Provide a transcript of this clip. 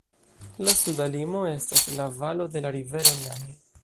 La suda limo estas la valo dela rivero Nahe.